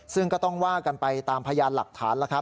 ซึ่งก็ต้องว่ากันไปตามพยานหลักฐานแล้วครับ